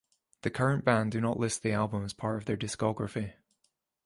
The current band do not list the album as part of their discography.